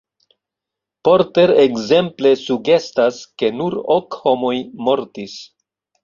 Porter ekzemple sugestas, ke nur ok homoj mortis.